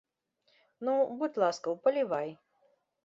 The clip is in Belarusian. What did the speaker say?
Ну, будзь ласкаў, палівай.